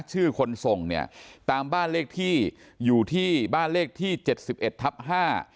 ชื่อคนส่งเนี่ยตามบ้านเลขที่อยู่ที่บ้านเลขที่เจ็ดสิบเอ็ดทับห้า